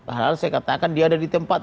hal hal saya katakan dia ada di tempat